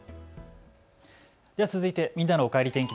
では続いてみんなのおかえり天気。